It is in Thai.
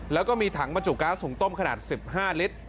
แล้วก็มีถังบรรจุก๊าซหุงต้มขนาด๑๕ลิตร